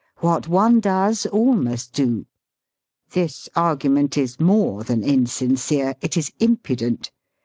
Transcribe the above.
What one does all must do. This argument is more than insincere ; it is impudent.